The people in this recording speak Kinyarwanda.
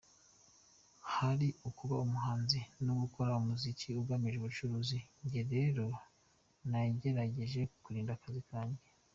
Hari ukuba umuhanzi no gukora umuziki ugamije ubucuruzi, njye rero nagerageje kurinda akazi kanjye.